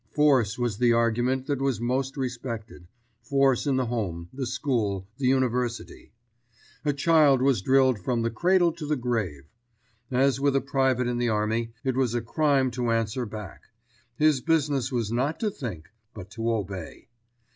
Force was the argument that was most respected—force in the home, the school, the university. A child was drilled from the cradle to the grave. As with a private in the army, it was a crime to answer back. His business was not to think, but to obey.